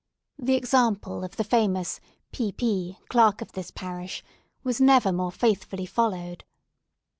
The example of the famous "P. P., Clerk of this Parish," was never more faithfully followed.